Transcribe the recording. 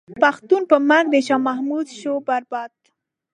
پښتون په مرګ د شاه محمود شو برباد.